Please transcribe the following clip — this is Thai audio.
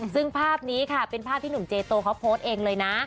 ซึ่งภาพนี้ค่ะเป็นภาพที่หนุ่มเจโตเขาโพสต์เองเลยนะ